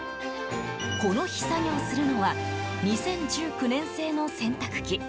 この日作業するのは２０１９年製の洗濯機。